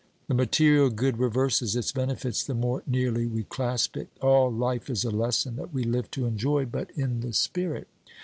The material good reverses its benefits the more nearly we clasp it. All life is a lesson that we live to enjoy but in the spirit.